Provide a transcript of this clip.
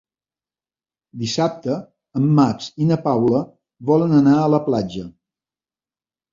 Dissabte en Max i na Paula volen anar a la platja.